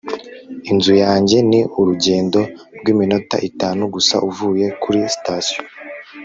inzu yanjye ni urugendo rw'iminota itanu gusa uvuye kuri sitasiyo